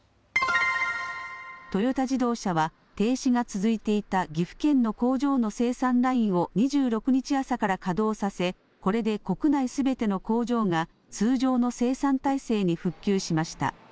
トヨタ自動車は停止が続いていた岐阜県の工場の生産ラインを２６日朝から稼働させこれで国内すべての工場が通常の生産体制に復旧しました。